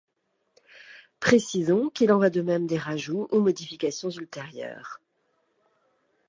Précisions qu'il en va de même des rajouts ou modifications ultérieures.